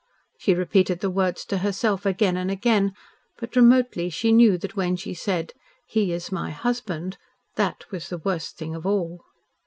She repeated the words to herself again and again, but remotely she knew that when she said, "He is my husband," that was the worst thing of all.